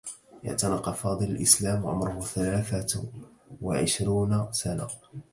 اعتنق فاضل الإسلام و عمره ثلاثة و عشرون سنة.